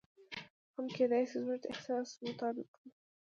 یا هم کېدای شي زموږ د احساس مطابق وي.